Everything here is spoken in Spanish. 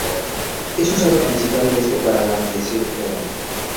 Es usado principalmente para la aviación general.